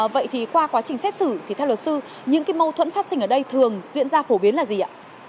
vậy thì qua quá trình xét xử thì theo luật sư những cái mâu thuẫn phát sinh ở đây thường diễn ra phổ biến là gì ạ